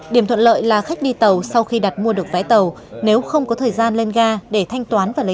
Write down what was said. điểm thuận lợi là khách đi tàu sau khi đặt mua được vé tàu nếu không có thời gian lên ga để thanh toán và lấy